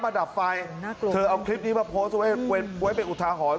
มาดับไฟเธอเอาคลิปนี้มาโพสต์ไว้ไว้ไปอุทหาหอน